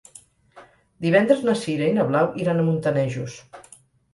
Divendres na Sira i na Blau iran a Montanejos.